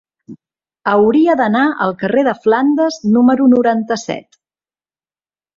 Hauria d'anar al carrer de Flandes número noranta-set.